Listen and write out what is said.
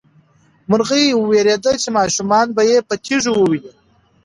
مرغۍ وېرېده چې ماشومان به یې په تیږو وولي.